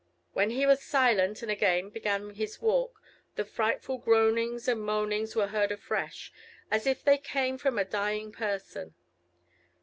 When he was silent, and again began his walk, the frightful groanings and moanings were heard afresh, as if they came from a dying person.